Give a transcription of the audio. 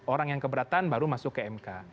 orang yang keberatan baru masuk ke mk